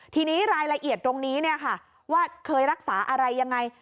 ทีนี้รายละเอียดตรงนี้ว่าเคยรักษาอะไรยังไง